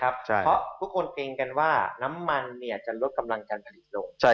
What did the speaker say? เพราะทุกคนเกรงกันว่าน้ำมันจะลดกำลังการผลิตลง